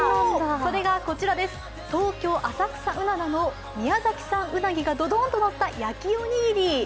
それがこちら、東京・浅草うななの宮崎産うなぎらドドンとのった焼きおにぎり。